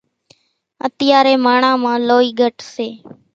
اتيارين ماڻۿان مان لوئِي گھٽ سي۔